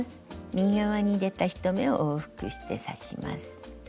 右側に出た１目を往復して刺します。